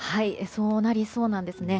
そうなりそうなんです。